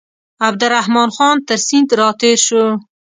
عبدالرحمن خان تر سیند را تېر شو.